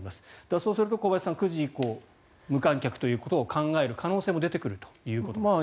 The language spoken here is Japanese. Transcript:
そうすると小林さん９時以降は無観客ということを考える可能性も出てくるということですね。